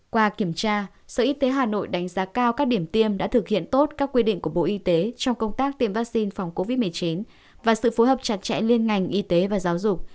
qua kiểm tra sở y tế hà nội đánh giá cao các điểm tiêm đã thực hiện tốt các quy định của bộ y tế trong công tác tiêm vaccine phòng covid một mươi chín và sự phối hợp chặt chẽ liên ngành y tế và giáo dục